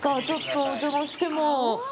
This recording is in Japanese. ちょっとお邪魔しても。